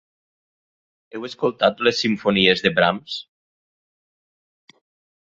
Heu escoltat les simfonies de Brahms?